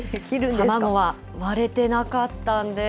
卵は割れてなかったんです。